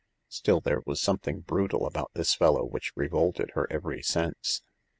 Still, there was something brutal about this fellow which revolted her every sense.